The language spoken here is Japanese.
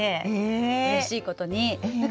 うれしいことに。